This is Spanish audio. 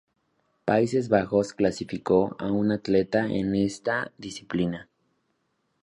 Países Bajos clasificó a un atleta en esta disciplina.